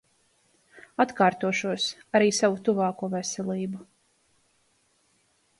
Atkārtošos, arī savu tuvāko veselību.